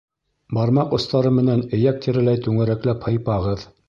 Бармаҡ остары менән эйәк тирәләй түңәрәкләп һыйпағыҙ.